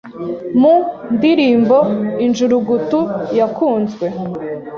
Mu ndirimbo ‘Injurugutu’ yakunzwe